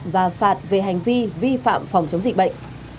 và phạt về hành vi vi phạm phòng chống dịch bệnh